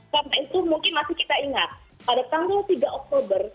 karena itu mungkin masih kita ingat pada tanggal tiga oktober